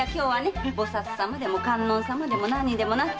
菩薩様でも観音様でも何にでもなるよ。